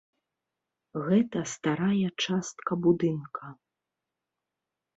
Гэта старая частка будынка.